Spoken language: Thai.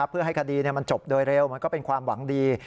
เพื่อให้คดีมันจบโดยเร็วมันก็เป็นความหวังดี